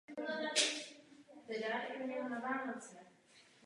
Malá ves je obklopená lesy s výhledem na Krušné hory.